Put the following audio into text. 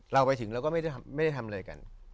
เราไปถึงเราก็ไม่ได้ทำอะไรกัน